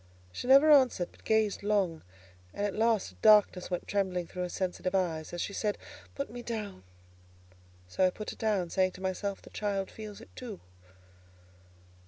She never answered, but gazed long, and at last a darkness went trembling through her sensitive eye, as she said, "Put me down." So I put her down, saying to myself: "The child feels it too."